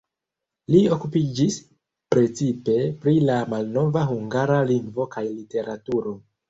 Li okupiĝis precipe pri la malnova hungara lingvo kaj literaturo.